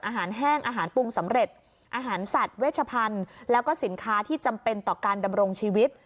อาหารแห้งอาหารปรุงสำเร็จอาหารสัตว์เวชพันธุ์แล้วก็สินค้าที่จำเป็นต่อการดำรงชีวิต